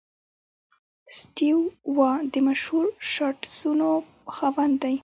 سټیو وا د مشهور شاټسونو خاوند دئ.